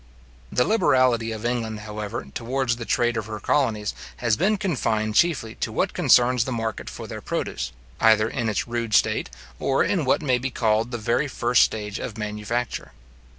The liberality of England, however, towards the trade of her colonies, has been confined chiefly to what concerns the market for their produce, either in its rude state, or in what may be called the very first stage of manufacture.